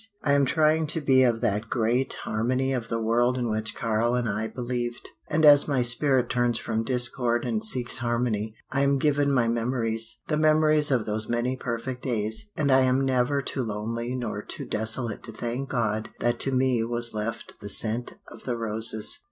I am trying to be of that great harmony of the world in which Karl and I believed, and as my spirit turns from discord and seeks harmony, I am given my memories, the memories of those many perfect days, and I am never too lonely nor too desolate to thank God that to me was left the scent of the roses.